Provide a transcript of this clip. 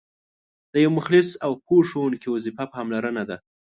د یو مخلص او پوه ښوونکي وظیفه پاملرنه ده.